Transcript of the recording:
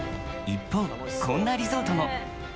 一方、こんなリゾートも。